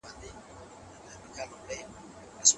که نا امني وي نو د ژوند هیله کمیږي.